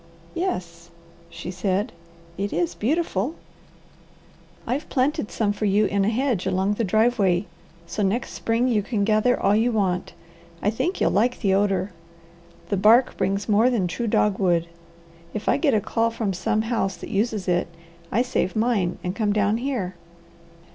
"Yes," she said, "it is beautiful." "I've planted some for you in a hedge along the driveway so next spring you can gather all you want. I think you'll like the odour. The bark brings more than true dogwood. If I get a call from some house that uses it, I save mine and come down here.